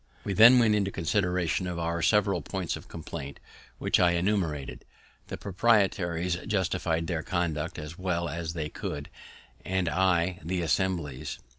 We then went into consideration of our several points of complaint, which I enumerated. The proprietaries justify'd their conduct as well as they could, and I the Assembly's.